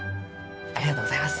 ありがとうございます。